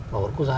của quốc gia